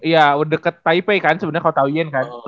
iya udah deket taipei kan sebenernya kota taoyuan kan